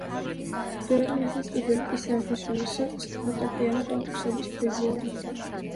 ბევრი მისი სტუდენტი საერთაშორისო საფორტეპიანო კონკურსების პრიზიორია.